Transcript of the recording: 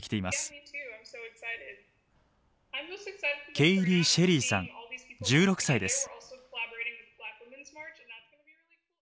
ケイリー・シェリーさん１６歳です。